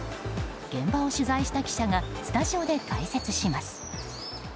現場を取材した記者がスタジオで解説します。